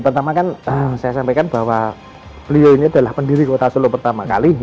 pertama kan saya sampaikan bahwa beliau ini adalah pendiri kota solo pertama kali